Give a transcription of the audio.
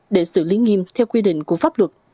để xử lý nghiêm theo quy định của pháp luật